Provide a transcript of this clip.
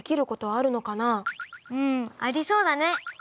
うんありそうだね。